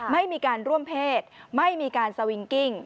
ไม่มีการร่วมเพศไม่มีการสวิงกิ้ง